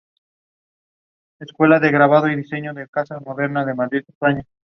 Por tanto, para el marxismo, era imprescindible el estudio del problema del Estado.